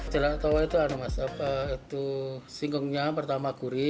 jarak towo itu singkongnya pertama kuri